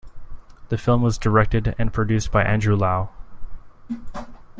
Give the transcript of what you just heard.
The film was directed and produced by Andrew Lau.